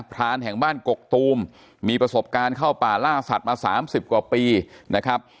รานแห่งบ้านกกตูมมีประสบการณ์เข้าป่าล่าสัตว์มา๓๐กว่าปีนะครับ